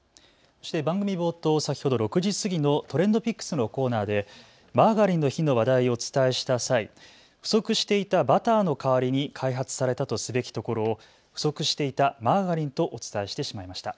そして番組冒頭、先ほど６時過ぎのＴｒｅｎｄＰｉｃｋｓのコーナーでマーガリンの日の話題をお伝えした際、不足してしていたバターの代わりに開発されたとすべきところを不足していたマーガリンとお伝えしてしまいました。